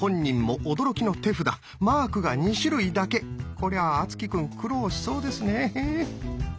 こりゃ敦貴くん苦労しそうですね。